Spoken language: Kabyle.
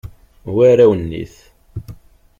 War awennit.